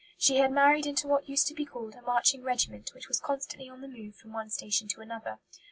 She had married into what used to be called a "marching regiment," which was constantly on the move from one station to another.